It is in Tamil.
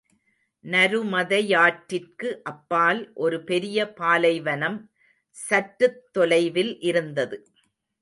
நருமதையாற்றிற்கு அப்பால் ஒரு பெரிய பாலைவனம், சற்றுத் தொலைவில் இருந்தது.